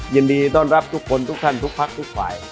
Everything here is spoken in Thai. ยินดีต้อนรับทุกคนทุกท่านทุกพักทุกฝ่าย